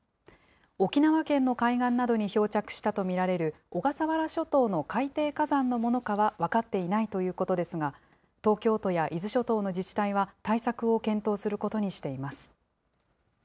沖縄県の海岸などに漂着したと見られる、小笠原諸島の海底火山のものかは分かっていないということですが、東京都や伊豆諸島の自治体は対策を検討することにしています。